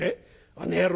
あの野郎